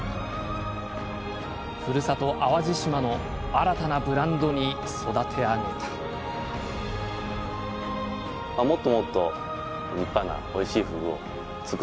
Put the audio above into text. ふるさと淡路島の新たなブランドに育て上げたさて！